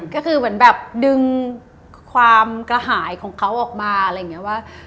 ก็คือเหมือนแบบดึงความกระหายของเขาออกมาอะไรอย่างนี้ว่า